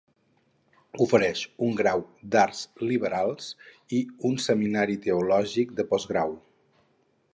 Ofereix un grau d'arts liberals i un seminari teològic de postgrau.